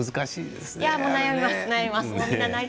悩みます。